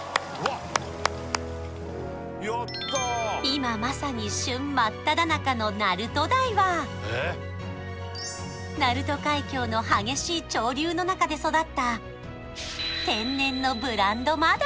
今まさに旬真っ只中の鳴門鯛は鳴門海峡の激しい潮流の中で育った天然のブランド真鯛